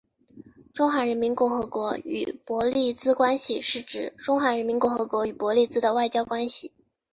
中华人民共和国与伯利兹关系是指中华人民共和国与伯利兹的外交关系。